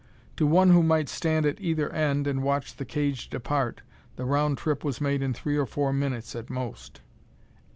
To one who might stand at either end and watch the cage depart, the round trip was made in three or four minutes at most.